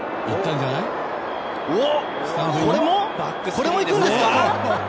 これもいくんですか？